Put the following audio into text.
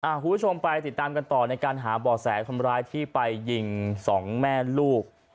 คุณผู้ชมไปติดตามกันต่อในการหาบ่อแสคนร้ายที่ไปยิงสองแม่ลูก